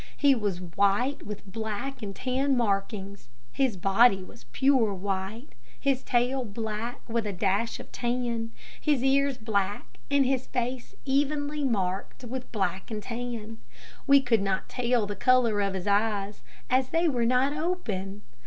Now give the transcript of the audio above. He was white, with black and tan markings. His body was pure white, his tail black, with a dash of tan; his ears black, and his face evenly marked with black and tan. We could not tell the color of his eyes, as they were not open.